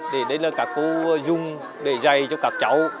đấy là các cô dùng để dạy cho các cháu